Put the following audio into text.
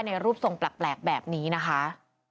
รูปทรงแปลกแบบนี้นะคะ